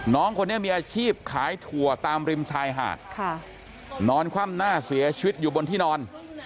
น้องคนนี้มีอาชีพขายถั่วตามริมชายหาดนอนคว่ำหน้าเสียชีวิตอยู่บนที่นอน